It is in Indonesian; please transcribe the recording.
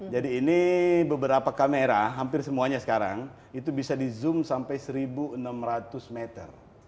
jadi ini beberapa kamera hampir semuanya sekarang itu bisa di zoom sampai seribu enam ratus meter